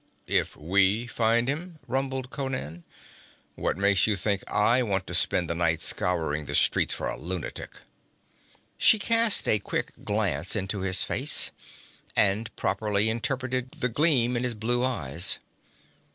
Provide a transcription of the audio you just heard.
'If we find him?' rumbled Conan. 'What makes you think I want to spend the night scouring the streets for a lunatic?' She cast a quick glance into his face, and properly interpreted the gleam in his blue eyes.